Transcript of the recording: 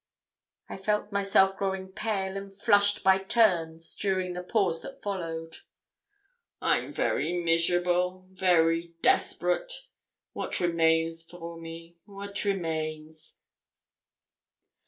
I felt myself growing pale and flushed by turns during the pause that followed. 'I'm very miserable very nearly desperate. What remains for me what remains?